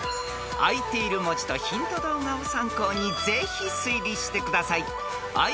［あいている文字とヒント動画を参考にぜひ推理してください］